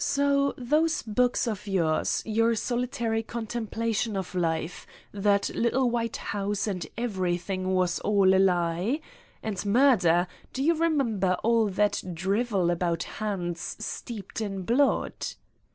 So, those books of yours, your solitary contemplation of life, that little white house and everything was all a lie? And murder do you remember all that drivel about hands steeped in blood